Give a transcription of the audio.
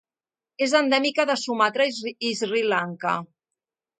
És endèmica de Sumatra i Sri Lanka.